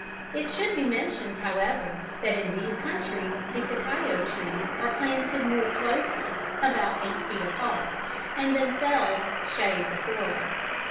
It should be mentioned, however, that in these countries the cacao trees are planted more closely (about eight feet apart) and themselves shade the soil.